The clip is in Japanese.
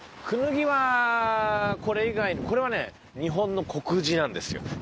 「くぬぎ」はこれ以外にこれはね日本の国字なんですよ。